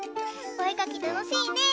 おえかきたのしいねえ。